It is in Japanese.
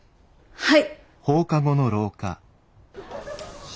はい。